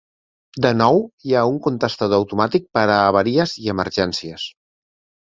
De nou, hi ha un contestador automàtic per a avaries i emergències.